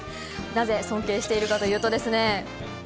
なぜ尊敬しているかというとですね。